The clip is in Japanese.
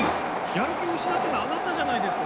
やる気失ってるのあなたじゃないですか！